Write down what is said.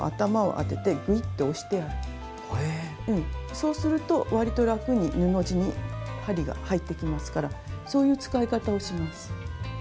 そうすると割とラクに布地に針が入っていきますからそういう使い方をします。